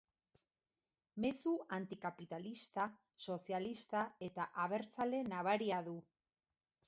Mezu antikapitalista, sozialista eta abertzale nabaria du.